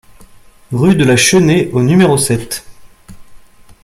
Rue de la Chenée au numéro sept